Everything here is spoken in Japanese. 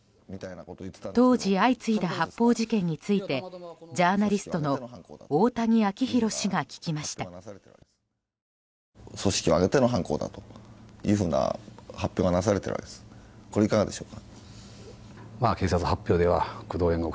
当時相次いだ発砲事件についてジャーナリストの大谷昭宏氏が聞きました。